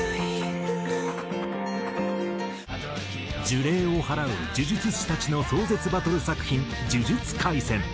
呪霊を祓う呪術師たちの壮絶バトル作品『呪術廻戦』。